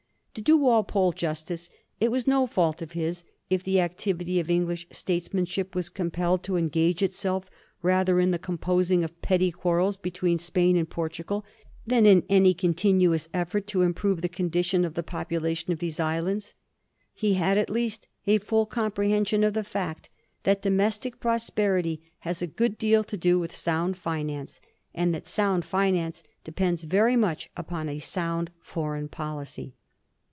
To do Walpole justice, it was no fault of his if the activity of English statesmanship was compelled to engage itself rather in the composing of petty quarrels between Spain and Portugal than in any continuous effort to improve the condition of the popula tion of these islands. He had at least a full comprehen sion of the fact that domestic prosperity has a good deal to do with sound finance, and that sound finance depends very much upon a sound foreign policy.